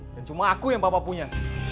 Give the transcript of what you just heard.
dan cuma aku yang papa punya